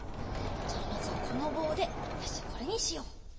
じゃまずはこのぼうでよしじゃこれにしよう。